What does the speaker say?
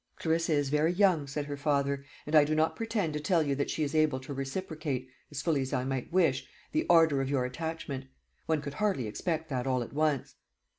"Clarissa is very young," said her father; "and I do not pretend to tell you that she is able to reciprocate, as fully as I might wish, the ardour of your attachment. One could hardly expect that all at once."